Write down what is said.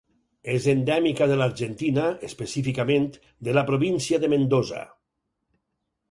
És endèmica de l'Argentina, específicament, de la província de Mendoza.